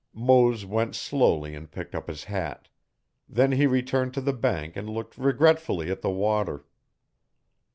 Mose went slowly and picked up his hat. Then he returned to the bank and looked regretfully at the water.